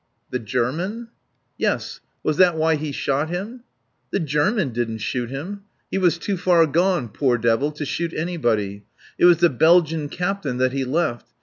"The German?" "Yes. Was that why he shot him?" "The German didn't shoot him. He was too far gone, poor devil, to shoot anybody.... It was the Belgian captain that he left....